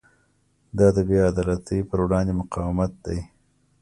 دا د بې عدالتۍ پر وړاندې مقاومت دی.